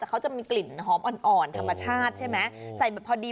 แต่เขาจะมีกลิ่นหอมอ่อนทหารชาติใช่ไหมใส่อย่างพอดีพอดี